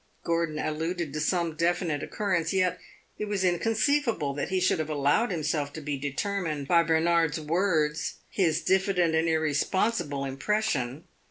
Gordon alluded to some definite occurrence, yet it was inconceivable that he should have allowed himself to be determined by Bernard's words his diffident and irresponsible impression.